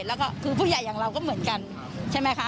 แล้วก็คือผู้ใหญ่อย่างเราก็เหมือนกันใช่ไหมคะ